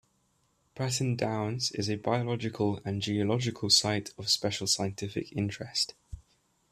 Bratton Downs is a biological and geological Site of Special Scientific Interest.